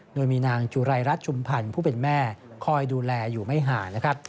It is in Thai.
โดยมีนางจุไรรัชชุมพันธุ์ผู้เป็นแม่คอยดูแลอยู่ไม่ห่าน